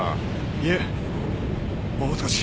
いえもう少し！